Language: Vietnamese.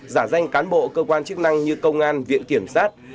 giả danh cán bộ cơ quan chức năng như công an viện kiểm sát